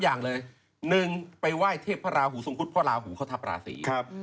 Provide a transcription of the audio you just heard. อย่างเลย๑ไปไหว้เทพพระราหูทรงคุดเพราะลาหูเขาทับราศี